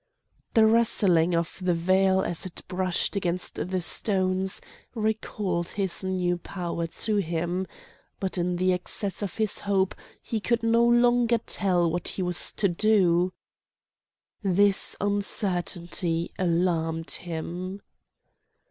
The rustling of the veil as it brushed against the stones recalled his new power to him; but in the excess of his hope he could no longer tell what he was to do; this uncertainty alarmed him.